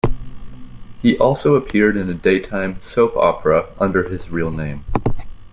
He also appeared in a daytime soap opera under his real name.